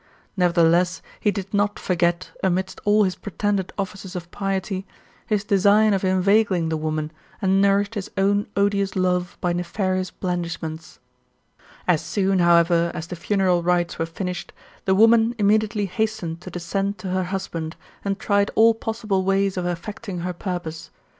Nevertheless, he did not forget, amidst all his pretended offices of piety, his design of inveigling the woman, and nourished his own odious love by nefarious blandishments, *' As soon, however, as the funeral rites were finished, the woman immediately hastened to descend to her husband, and tried all possible ways of effecting her purpose.